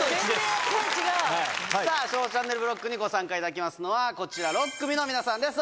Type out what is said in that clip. さぁ「ＳＨＯＷチャンネルブロック」にご参加いただきますのはこちら６組の皆さんです